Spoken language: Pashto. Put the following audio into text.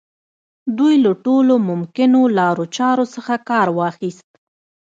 دوی له ټولو ممکنو لارو چارو څخه کار واخيست.